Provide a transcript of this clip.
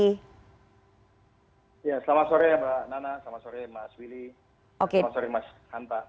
selamat sore mbak nana selamat sore mas willy selamat sore mas hanta